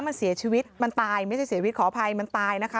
มันเสียชีวิตมันตายไม่ใช่เสียชีวิตขออภัยมันตายนะคะ